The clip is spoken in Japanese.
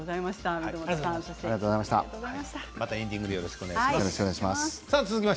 またエンディングでお願いします。